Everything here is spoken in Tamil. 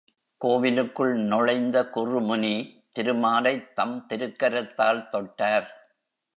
கோவிலுக்குள் நுழைந்த குறுமுனி திருமாலைத் தம் திருக்கரத்தால் தொட்டார்.